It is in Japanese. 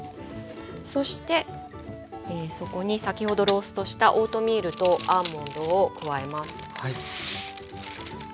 そしてそこに先ほどローストしたオートミールとアーモンドを加えます。